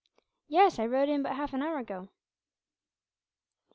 "Yes; I rode in but half an hour ago."